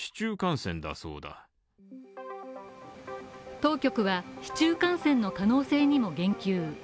当局は市中感染の可能性にも言及。